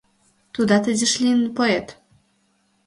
Тудат изиш лийын поэт.